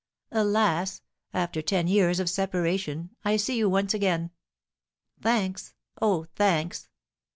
Alas, after ten years of separation, I see you once again! Thanks, oh, thanks!